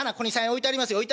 置いてありますよね。